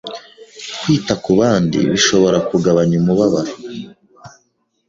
Kwita ku bandi bishobora kugabanya umubabaro,